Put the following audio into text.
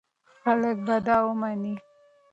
خلک به دا ومني.